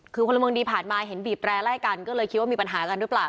คือพลเมืองดีผ่านมาเห็นบีบแร่ไล่กันก็เลยคิดว่ามีปัญหากันหรือเปล่า